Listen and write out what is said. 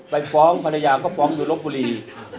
ไปฟ้องภรรยาก็ฟ้องอยู่ลบบุรี